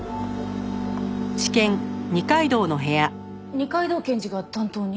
二階堂検事が担当に？